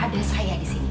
ada saya disini